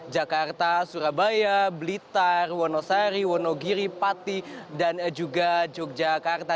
jakarta surabaya blitar wonosari wonogiri pati dan juga yogyakarta